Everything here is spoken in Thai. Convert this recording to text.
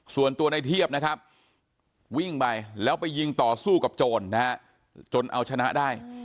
ส่วนตัวในเทียบนะครับวิ่งไปแล้วไปยิงต่อสู้กับโจรนะฮะจนเอาชนะได้